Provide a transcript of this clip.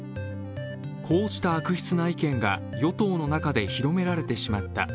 こうした悪質な意見が与党の中で広められてしまった。